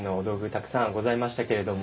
たくさんございましたけれども。